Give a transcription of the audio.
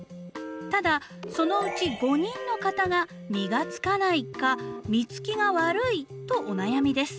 ただそのうち５人の方が「実がつかない」か「実つきが悪い」とお悩みです。